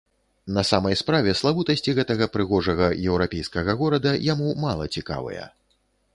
На самай справе, славутасці гэтага прыгожага еўрапейскага горада яму мала цікавыя.